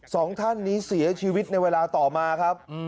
สองท่านนี้เสียชีวิตในเวลาต่อมาครับ